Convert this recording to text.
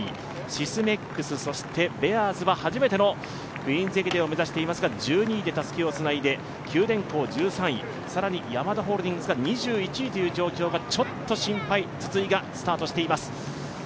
シスメックス、そしてベアーズは初めてのクイーンズ駅伝を目指していますが１２位でたすきをつないで九電工１３位、更にヤマダホールディングスが２１位という状況がちょっと心配、筒井がスタートしています。